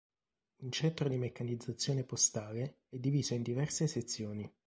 Un Centro di Meccanizzazione Postale è diviso in diverse sezioni.